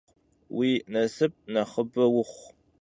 Vui nasıp nexhıbe vuxhu!